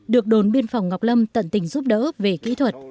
được đồn biên phòng ngọc lâm tận tình giúp đỡ về kỹ thuật